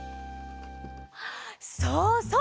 そうそう！